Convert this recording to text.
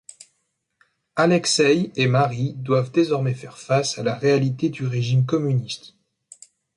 Alexeï et Marie doivent désormais faire face à la réalité du régime communiste.